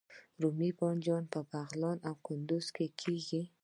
رومي بانجان په بغلان او کندز کې کیږي